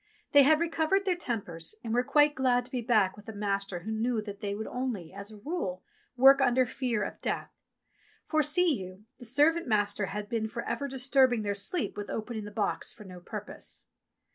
They had recovered their tempers and were quite glad to be back with a master who knew that they would only, as a rule, work under fear of death ; for, see you, the servant master had been for ever disturbing their sleep with opening the box to no purpose.